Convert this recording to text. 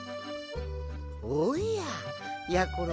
おややころ